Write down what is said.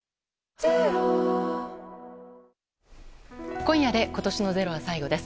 今夜で今年の「ｚｅｒｏ」は最後です。